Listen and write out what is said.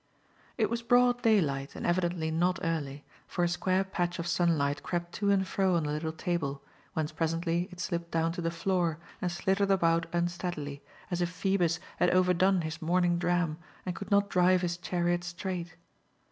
It was broad daylight and evidently not early, for a square patch of sunlight crept to and fro on the little table, whence presently it slipped down to the floor and slithered about unsteadily, as if Phoebus had overdone his morning dram and could not drive his chariot straight.